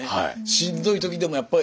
しんどい時でもやっぱり。